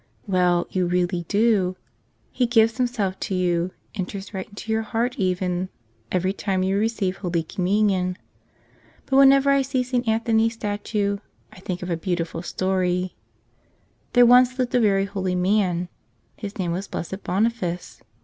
Well, you really do. He gives Himself to you, enters right into your heart even, every time you receive Holy Communion. But whenever I see St. Anthony's statue I think of a beautiful story. There once lived a very holy man. His name was Blessed Boniface.